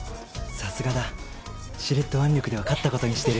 さすがだしれっと腕力では勝ったことにしてる